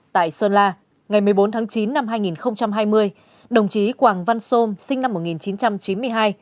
tại sơn la ngày một mươi bốn tháng chín năm hai nghìn hai mươi đồng chí quảng văn sôm sinh năm một nghìn chín trăm chín mươi hai